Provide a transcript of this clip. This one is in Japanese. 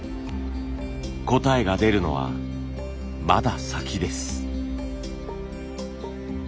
答えが出るのはまだ先です。